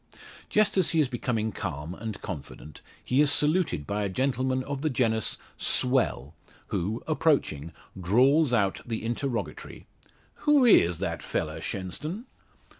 Just as he is becoming calm, and confident, he is saluted by a gentleman of the genus "swell," who, approaching, drawls out the interrogatory: "Who is that fella, Shenstone?"